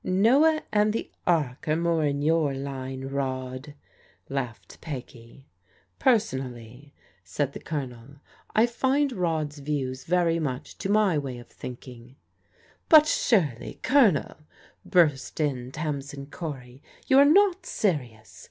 " Noah and the Ark are more in your line, Rod/* laughed Peggy. " Personally/' said the Colonel, " I find Rod's views very much to my way of thinking/* "But surely. Colonel/' burst in Tamsin Cory, "you are not serious?